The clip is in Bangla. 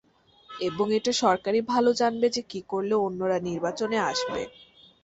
এবং এটা সরকারই ভালো জানবে যে কী করলে অন্যরা নির্বাচনে আসবে।